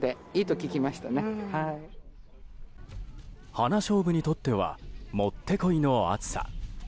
ハナショウブにとってはもってこいの暑さ。